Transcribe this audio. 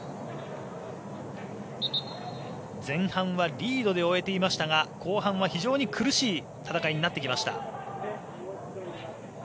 前半はリードで終えていましたが後半は非常に苦しい戦いになってきました。